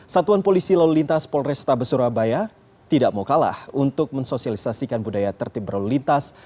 satuan polisi lalu lintas polrestabes surabaya tidak mau kalah untuk mensosialisasikan budaya tertib berlalu lintas